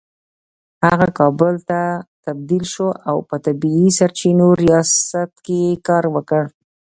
هغه کابل ته تبدیل شو او په طبیعي سرچینو ریاست کې يې کار وکړ